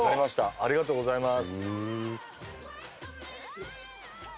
ありがとうございます。